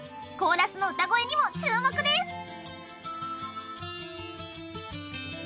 コーラスの歌声にも注目です。